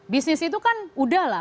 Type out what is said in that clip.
bisnis itu kan udah lah